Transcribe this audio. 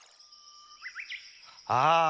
ああ！